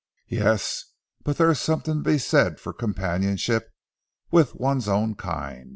"Yes, but there is something to be said for companionship with one's own kind.